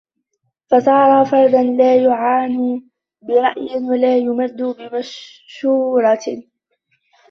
فَصَارَ فَرْدًا لَا يُعَانُ بِرَأْيٍ وَلَا يُمَدُّ بِمَشُورَةٍ